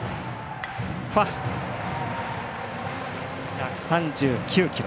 １３９キロ。